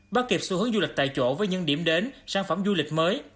bắt kịp xu hướng du lịch tại chỗ với những điểm đến sản phẩm du lịch mới